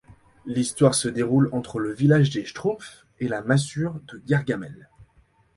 L'histoire se déroule entre le village des Schtroumpfs et la masure de Gargamel.